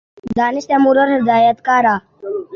دانش تیمور اور ہدایت کارہ